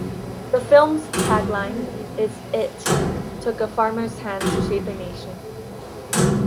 The film's tagline is It took a farmer's hand to shape a nation.